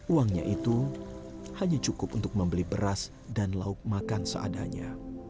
uangnya itu hanya cukup untuk membeli beras dan lauk makan seadanya